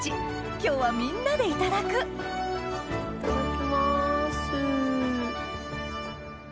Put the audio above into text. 今日はみんなでいただくいただきます。